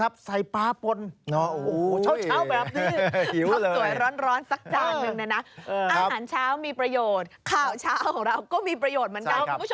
อาหารเช้ามีประโยชน์ข่าวเช้าของเราก็มีประโยชน์เหมือนกันคุณผู้ชม